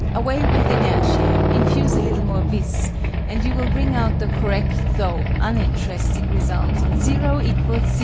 Away with INERTIÆ: infuse a little more VIS: and you will bring out the correct (though uninteresting) result, 0 = 0!